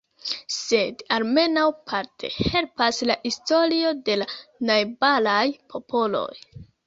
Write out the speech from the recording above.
Sed, almenaŭ parte, helpas la historio de la najbaraj popoloj.